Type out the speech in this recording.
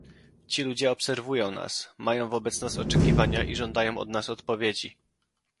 Ci ludzie obserwują nas, mają wobec nas oczekiwania i żądają od nas odpowiedzi